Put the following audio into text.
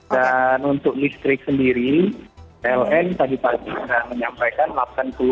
dan untuk listrik sendiri ln tadi tadi sudah menyampaikan